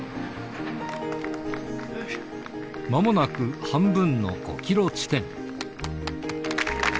まもなく半分の５キロ地点。